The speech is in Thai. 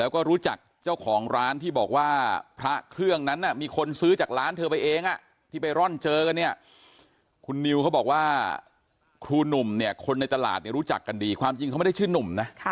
คุณนิวเขาบอกว่าครูหนุ่มคนในตลาดรู้จักกันดีความจริงเขาไม่ได้ชื่อนุ่มนะ